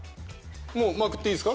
もうまくっていいんですか？